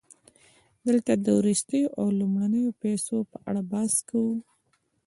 دلته د وروستیو او لومړنیو پیسو په اړه بحث کوو